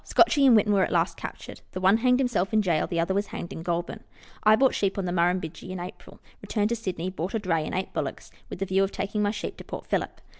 Scotchie and Whitten were at last cap tured; the one hanged himself in gaol; the other was hanged in Goulburn. I bought sheep on the Murrumbidgee in April ; re turned to Sydney, bought a dray and eight bullocks, with the view of taking my sheep to Port Phillip.